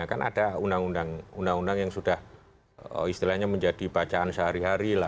kan ada undang undang yang sudah istilahnya menjadi bacaan sehari hari lah